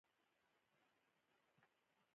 قبایلي مشرانو د کانونو اکتشاف منع کړی و.